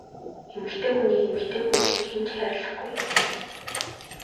Эмэгтэй хүнийг эмэгтэй хүн шиг хэн ч хайрлахгүй!